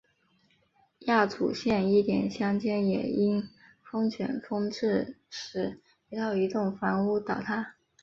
亚祖县伊甸乡间也因龙卷风致使一套移动房屋倒塌。